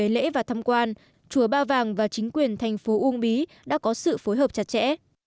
lễ và thăm quan chùa ba vàng và chính quyền thành phố uông bí đã có sự phối hợp chặt chẽ